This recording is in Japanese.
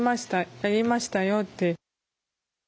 やりましたよって。